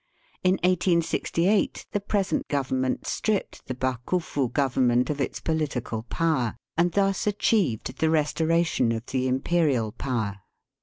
In 1868 the present Government stripped the Bakufu Government of its politi cal power, and thus achieved the restoration of the imperial power.